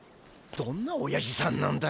どんなおやじさんなんだよ。